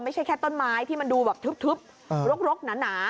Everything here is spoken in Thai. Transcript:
ไม่ใช่แค่ต้นไม้ที่มันดูแบบทึบรกหนา